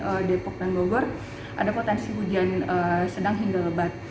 di jabodetabek seperti jakarta timur jakarta selatan depok dan bogor ada potensi hujan sedang hingga lebat